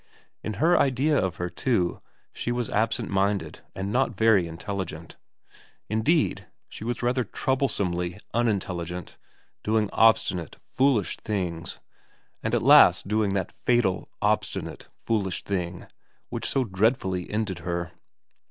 In her idea of her, too, she was absent minded and not very intelligent ; indeed, she was rather trouble somely unintelligent, doing obstinate, foolish things, and at last doing that fatal, obstinate, foolish thing which so dreadfully ended her.